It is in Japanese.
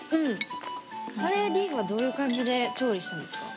カレーリーフはどういう感じで調理したんですか？